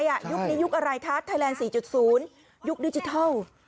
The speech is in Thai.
ยุคนี้ยุคอะไรคะไทยแลนด์๔๐ยุคดิจิทัล